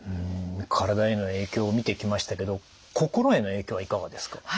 体への影響を見てきましたけど心への影響はいかがですか？